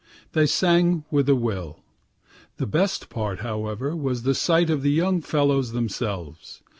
They sang with a will. The best part, however, was the sight of the young fellows themselves.